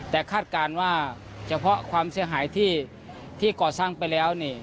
แต่คาดการณ์ว่าเฉพาะความเสียหายที่ก่อสร้างไปแล้ว